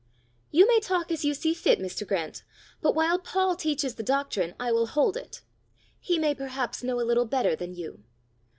"You may talk as you see fit, Mr. Grant, but while Paul teaches the doctrine, I will hold it; he may perhaps know a little better than you."